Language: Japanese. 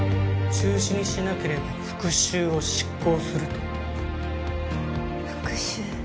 中止にしなければ復讐を執行すると復讐？